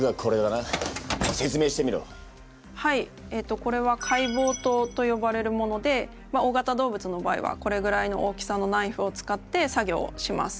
これは解剖刀と呼ばれるもので大型動物の場合はこれぐらいの大きさのナイフを使って作業をします。